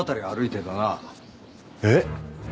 えっ？